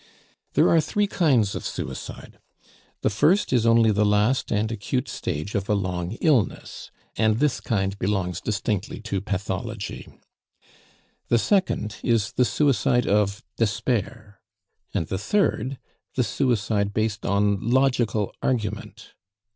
There are three kinds of suicide the first is only the last and acute stage of a long illness, and this kind belongs distinctly to pathology; the second is the suicide of despair; and the third the suicide based on logical argument.